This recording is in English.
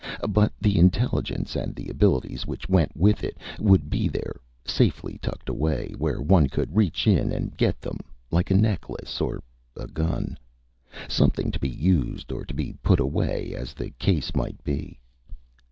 But the intelligence, and the abilities which went with it, would be there, safely tucked away where one could reach in and get them, like a necklace or a gun something to be used or to be put away as the case might be.